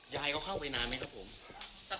ยายเขาเข้าไปนานไหมครับผม